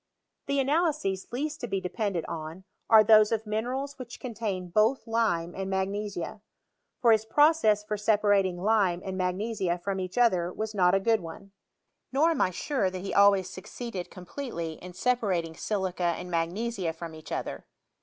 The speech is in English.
The analyses least to be depended on, are of those mine rals which contain both lime and magnesia ; for his process for separating lime and magnesia from each other was not a good one ; nor am I sure that he always succeeded completely in separating silica and magnesia from each other.